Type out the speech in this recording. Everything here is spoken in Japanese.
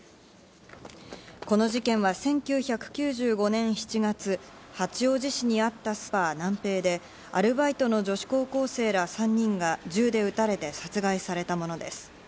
この事件は１９９５年７月、八王子市にあったスーパーナンペイで、アルバイトの女子高校生ら３人が銃で撃たれて殺害されたものです。